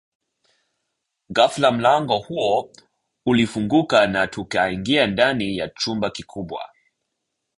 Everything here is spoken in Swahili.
Ghafla mlango huo ulifunguka na tukaingia ndani ya chumba kikubwa